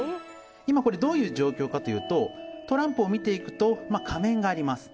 今、どういう状況かというとトランプを見ていくと仮面があります。